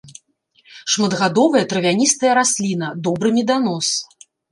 Шматгадовая травяністая расліна, добры меданос.